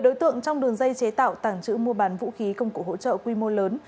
đối tượng trong đường dây chế tạo tàng trữ mua bán vũ khí công cụ hỗ trợ quy mô lớn